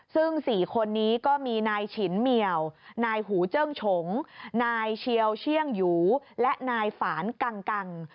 ซึ่ง๔คนนี้ก็มีนายฉินเหมียวนายหูเจิ้งฉงนายเชียวเชื่องหยูและนายฝานกัง